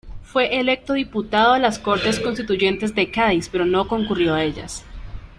Fue electo diputado a las cortes constituyentes de Cádiz pero no concurrió a ellas.